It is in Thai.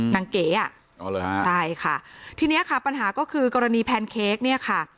นางเก๋อ่ะใช่ค่ะทีเนี้ยค่ะปัญหาก็คือกรณีแพนเค้กเนี้ยค่ะ